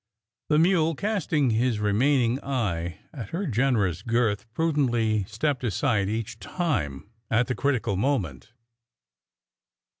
The mule, casting his remaining eye at her generous girth, prudently stepped aside each time at the critical moment.